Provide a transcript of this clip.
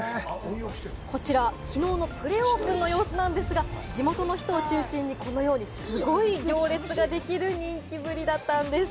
こちら昨日のプレオープンの様子なんですが、地元の人を中心に、このようにすごい行列ができる人気ぶりだったんです。